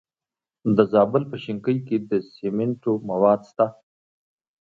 د زابل په شنکۍ کې د سمنټو مواد شته.